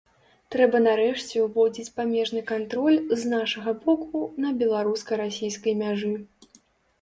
Трэба нарэшце ўводзіць памежны кантроль з нашага боку на беларуска-расійскай мяжы.